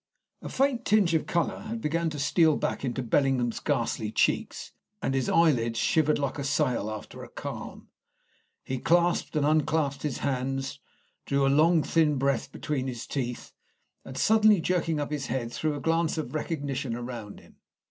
A faint tinge of colour had begun to steal back into Bellingham's ghastly cheeks, and his eyelids shivered like a sail after a calm. He clasped and unclasped his hands, drew a long, thin breath between his teeth, and suddenly jerking up his head, threw a glance of recognition around him.